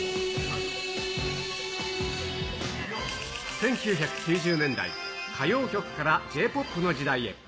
１９９０年代、歌謡曲からＪーＰＯＰの時代へ。